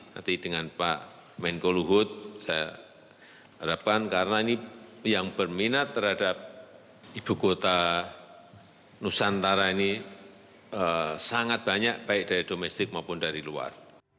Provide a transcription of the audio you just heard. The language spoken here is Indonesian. nanti dengan pak menko luhut saya harapkan karena ini yang berminat terhadap ibu kota nusantara ini sangat banyak baik dari domestik maupun dari luar